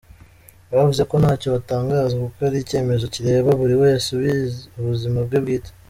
Bavuze ko ntacyo batangaza kuko ari icyemezo kireba buri wese ubuzima bwe bwite.